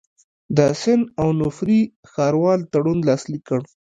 د سن اونوفري ښاروال تړون لاسلیک کړ.